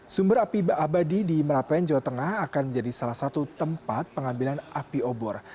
sumber api abadi di merapen jawa tengah akan menjadi salah satu tempat pengambilan api obor